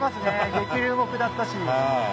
激流も下ったし。